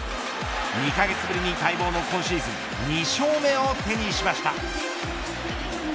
２カ月ぶりに待望の今シーズン２勝目を手にしました。